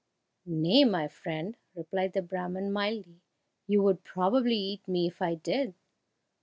"Nay, my friend," replied the Brahman mildly, "you would probably eat me if I did."